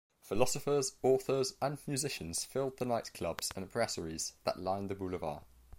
Philosophers, authors and musicians filled the night clubs and brasseries that line the boulevard.